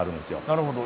なるほど。